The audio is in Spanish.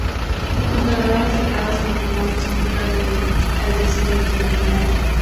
Los ganadores de cada semifinal disputan, al día siguiente, la final.